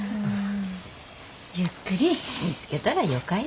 ゆっくり見つけたらよかよ。